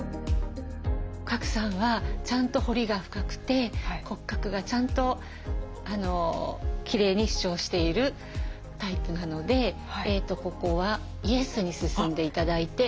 賀来さんはちゃんと彫りが深くて骨格がちゃんときれいに主張しているタイプなのでここはイエスに進んで頂いて。